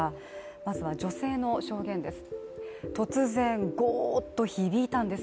まずは女性の証言です。